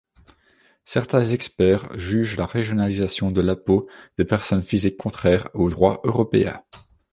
Certains experts jugent la régionalisation de l’impôt des personnes physiques contraire au droit européen.